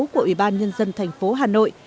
của ubnd tp hà nội